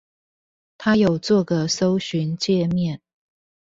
他有做個搜尋介面